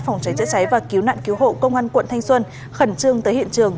phòng cháy chữa cháy và cứu nạn cứu hộ công an quận thanh xuân khẩn trương tới hiện trường